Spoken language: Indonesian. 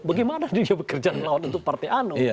bagaimana dia bekerja melawan untuk partai ano